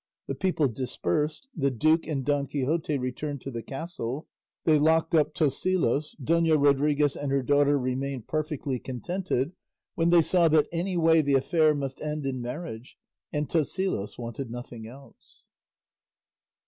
The people dispersed, the duke and Don Quixote returned to the castle, they locked up Tosilos, Dona Rodriguez and her daughter remained perfectly contented when they saw that any way the affair must end in marriage, and Tosilos wanted nothing else.